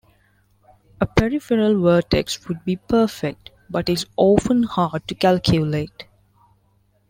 A peripheral vertex would be perfect, but is often hard to calculate.